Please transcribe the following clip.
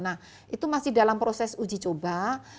nah itu masih dalam proses uji coba